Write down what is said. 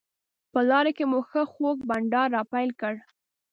په لاره کې مو ښه خوږ بانډار راپیل کړ.